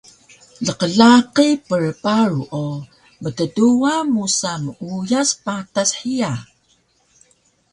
Lqlaqi prparu o mtduwa musa muyas patas hiya